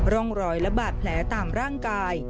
ร่องรอยและบาดแผลตามร่างกาย